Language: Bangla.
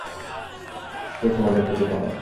কে তোমাদের প্রতিপালক?